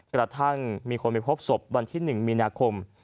กระทั่งมีคนไปพบศพวันที่๑มีนาคม